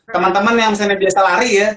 teman teman yang misalnya biasa lari ya